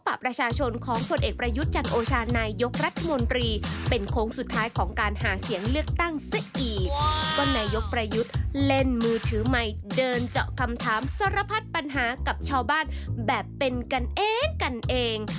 แบบเป็นกันเองกันเอง